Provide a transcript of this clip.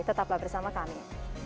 tetaplah bersama kami